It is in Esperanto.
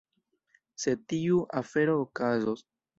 Se tiu afero okazos.